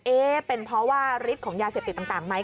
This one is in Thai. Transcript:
เป็นเพราะว่าฤทธิ์ของยาเสพติดต่างไหม